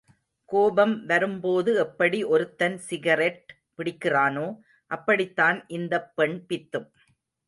கோபம் வரும்போது எப்படி ஒருத்தன் சிகரெட் பிடிக்கிறானோ, அப்படித்தான் இந்தப் பெண் பித்தும்.